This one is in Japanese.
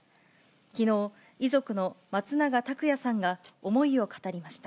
きのう、遺族の松永拓也さんが思いを語りました。